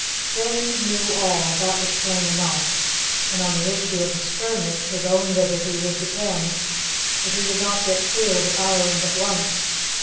James knew all. That was plain enough; and on the issue of the skirmish his own liberty would depend if he did not get clear of the island at once.